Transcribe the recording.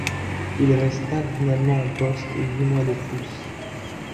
Il resta finalement en poste huit mois de plus.